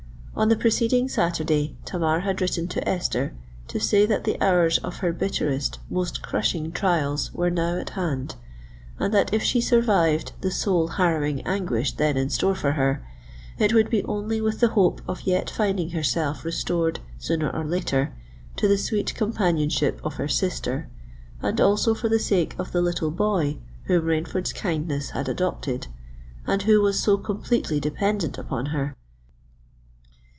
On the preceding Saturday Tamar had written to Esther to say that the hours of her bitterest—most crushing trials were now at hand; and that if she survived the soul harrowing anguish then in store for her, it would be only with the hope of yet finding herself restored, sooner or later, to the sweet companionship of her sister, and also for the sake of the little boy whom Rainford's kindness had adopted, and who was so completely dependent upon her.